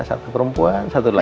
satu perempuan satu laki laki